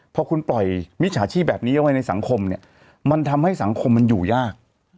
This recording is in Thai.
พอคุณปล่อยมิจฉาชีพแบบนี้เอาไว้ในสังคมเนี่ยมันทำให้สังคมมันอยู่ยาก